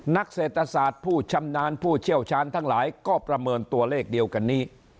เศรษฐศาสตร์ผู้ชำนาญผู้เชี่ยวชาญทั้งหลายก็ประเมินตัวเลขเดียวกันนี้